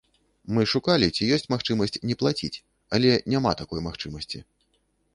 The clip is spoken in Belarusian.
Мы шукалі, ці ёсць магчымасць не плаціць, але няма такой магчымасці.